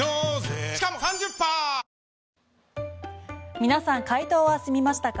皆さん、解答は済みましたか？